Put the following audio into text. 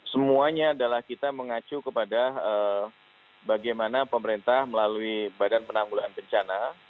semuanya adalah kita mengacu kepada bagaimana pemerintah melalui badan penanggulan bencana